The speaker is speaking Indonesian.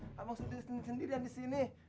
abang sudah sendirian disini